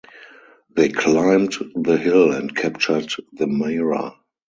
They climbed the hill and captured the Mira.